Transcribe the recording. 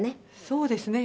そうですね。